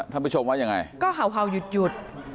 ท่านผู้ชมว่ายังไงก็เห่าหยุด